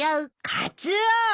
カツオー！